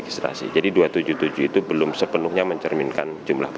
di rumah pemilu kompas tv independen dan dua belas calon anggota dpd